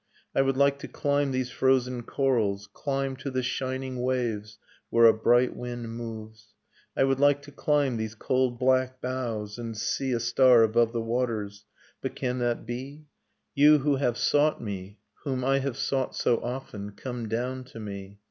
.. I would like to climb these frozen corals, climb To the shining waves where a bright wind moves ... I would like to climb these cold black boughs, and see A star above the waters ... But can that be ?... You who have sought me, whom I have sought so often, — Come down to me